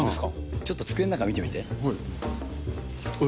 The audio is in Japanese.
ちょっと机の中見てみて。